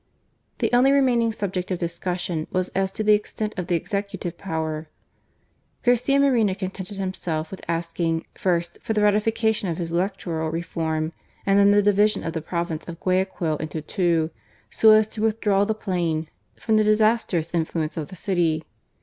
The only remaining subject of discussion was as to the extent of the Executive power. Garcia Moreno contented himself with asking, first, for the ratification of his electoral reform, and then the division of the province of Guayaquil into two, so as to withdraw the plain from the disastrous influence of the city.